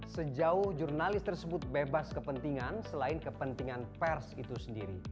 sejauh jurnalis tersebut bebas kepentingan selain kepentingan pers itu sendiri